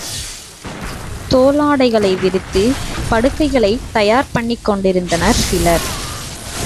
தோலாடைகளை விரித்துப் படுக்கைகளைத் தயார் பண்ணிக் கொண்டிருந்தனர் சிலர்.